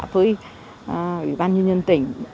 với ủy ban nhân dân tỉnh